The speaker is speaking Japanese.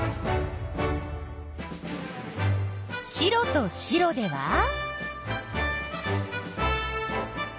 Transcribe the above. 白と白では？